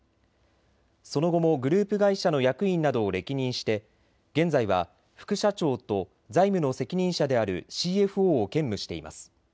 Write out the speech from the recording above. その後もグループ会社の役員などを歴任して、現在は副社長と財務の責任者であるＣＦＯを兼務しています。